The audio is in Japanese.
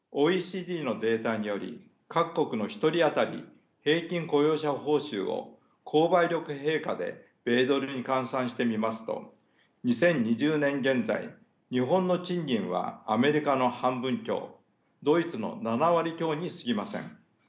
ＯＥＣＤのデータにより各国の１人当たり平均雇用者報酬を購買力平価で米ドルに換算してみますと２０２０年現在日本の賃金はアメリカの半分強ドイツの７割強にすぎません。